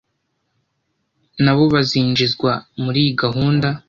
nabobazinjizwa muri iyi gahunda